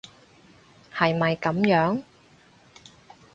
係咪噉樣？